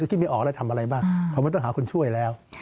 คิดไม่ออกแล้วทำอะไรบ้างเขาไม่ต้องหาคนช่วยแล้ว